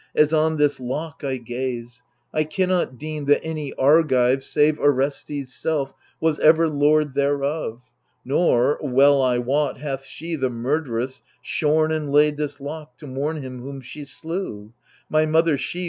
As on this lock I gaze ; I cannot deem That any Argive save Orestes* self Was ever lord thereof; nor, well I wot, Hath she, the murd'ress, shorn and laid this lock To mourn him whom she slew — ^my mother she.